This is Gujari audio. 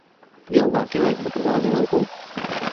یوہ واقعو ایک بکروال جنا کو